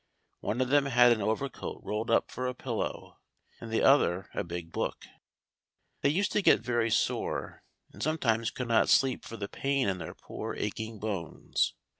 One of them had an overcoat rolled up for a pillow, and the other a big book. They used to get very sore, and sometimes could not sleep for the pain in their poor aching bones.